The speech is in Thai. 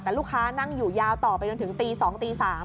แต่ลูกค้านั่งอยู่ยาวต่อไปจนถึงตี๒ตี๓